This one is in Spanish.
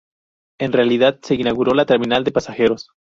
En realidad se inauguró la terminal de pasajeros.